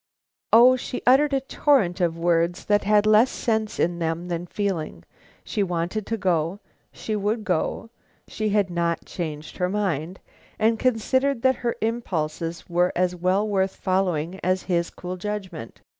"O, she uttered a torrent of words that had less sense in them than feeling. She wanted to go, she would go, she had not changed her mind, and considered that her impulses were as well worth following as his cool judgment.